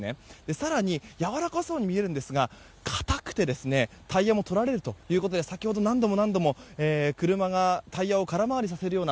更にやわらかそうに見るんですが硬くてタイヤもとられるということで先ほど、何度も何度も車がタイヤを空回りさせるような